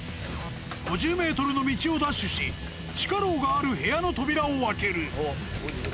５０メートルの道をダッシュし、地下牢がある部屋の扉を開ける。